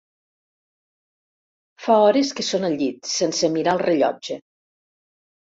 Fa hores que són al llit, sense mirar el rellotge.